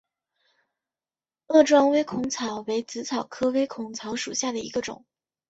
萼状微孔草为紫草科微孔草属下的一个种。